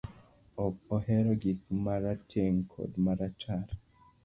Ok ahero gik marateng kod marachar